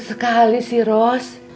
sekali sih ros